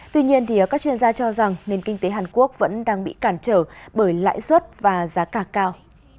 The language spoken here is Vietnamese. tuy nhiên các chuyên gia cho rằng nền kinh tế hàn quốc vẫn đang bị cản trở bởi lãi suất và giá cả cao